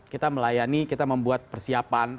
kita melayani kita membuat persiapan